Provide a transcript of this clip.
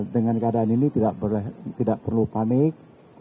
dengan keadaan ini tidak perlu panik